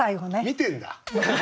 見てんだ。